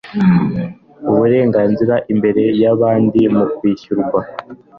uburenganzira imbere y abandi mu kwishyurwa